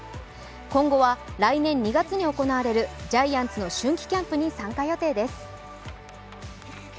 今後は、来年２月に行われるジャイアンツの春季キャンプに参加予定です。